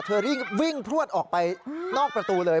เธอวิ่งพลวดออกไปนอกประตูเลย